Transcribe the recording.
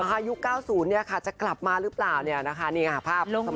อายุเก้าศูนย์เนี่ยจะกลับมารึเปล่าเนี่ยนะคะนี่ไงภาพสมัยก่อน